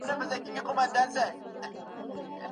پلمې نه غواړي څېرلو ته د وریانو